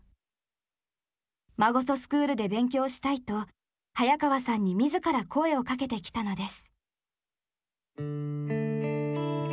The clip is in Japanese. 「マゴソスクールで勉強したい」と早川さんに自ら声をかけてきたのです。